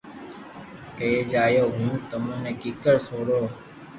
ڪيئي جايو ھون تمو ني ڪيڪر سوڙيو